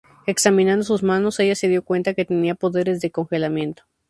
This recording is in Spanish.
Examinando sus manos, ella se dio cuenta que tenía poderes de congelamiento.